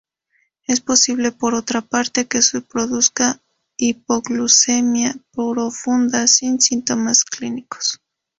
Es posible por otra parte, que se produzca hipoglucemia profunda sin síntomas clínicos.